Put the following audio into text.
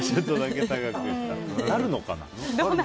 なるのかな。